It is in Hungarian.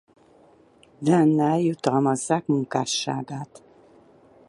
Dan-nal jutalmazzák munkásságát.